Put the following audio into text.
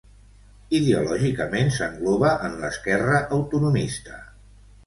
Ideològicament s'engloba en l'esquerra autonomista.